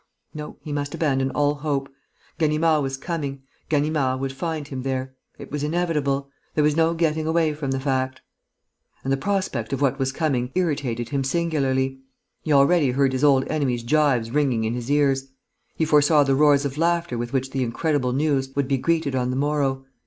No, he must abandon all hope. Ganimard was coming. Ganimard would find him there. It was inevitable. There was no getting away from the fact. And the prospect of what was coming irritated him singularly. He already heard his old enemy's gibes ringing in his ears. He foresaw the roars of laughter with which the incredible news would be greeted on the morrow.